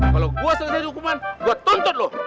kalau gue selesai dihukuman gue tuntut loh